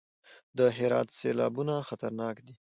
د هرات سیلابونه خطرناک دي